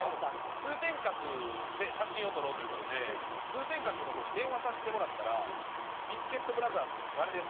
通天閣で写真を撮ろうという事で通天閣の方に電話させてもらったら「ビスケットブラザーズ？誰ですか？」